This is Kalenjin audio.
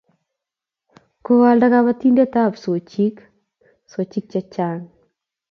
Koalda kabatindet ab sochik, sochik chechsng